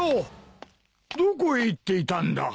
どこへ行っていたんだ？